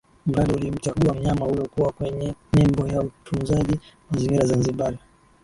Mradi ulimchagua mnyama huyu kuwa kwenye nembo ya utunzaji mazingira Zanzibar